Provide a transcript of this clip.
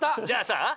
じゃあさ